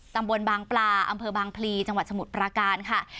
ตำบลบางปลาอำเภอบางพลีจังหวัดสมุทรปราการค่ะ